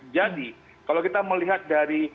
jadi kalau kita melihat dari